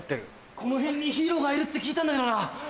この辺にヒーローがいるって聞いたんだけどな。